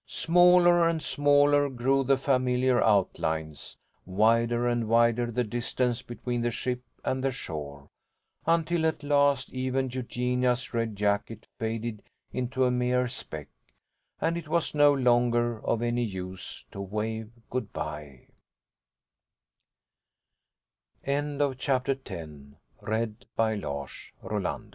Smaller and smaller grew the familiar outlines, wider and wider the distance between the ship and the shore, until at last even Eugenia's red jacket faded into a mere speck, and it was no longer of any use to wave good bye. CHAPTER XI. HOMEWARD BOUND On that long, homew